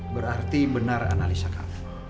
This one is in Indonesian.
berarti benar analisa kamu